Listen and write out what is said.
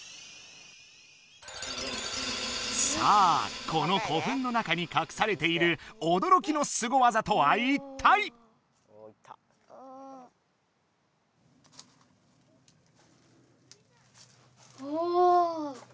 さあこの古墳の中にかくされているおどろきのスゴワザとはいったい⁉おお！